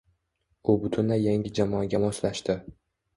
U butunlay yangi jamoaga moslashdi